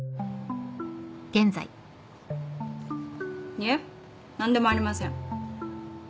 いえ何でもありません。